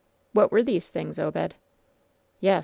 "What were these things, Obed ?" "Yes